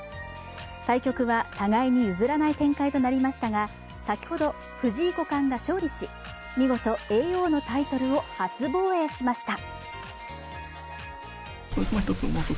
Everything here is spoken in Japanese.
対局は互いに譲らない展開となりましたが先ほど、藤井五冠が勝利し、見事、叡王のタイトルを初防衛しました。